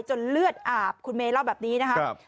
เลือดอาบคุณเมย์เล่าแบบนี้นะครับ